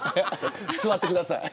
座ってください。